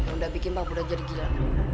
udah bikin pak bunda jadi gila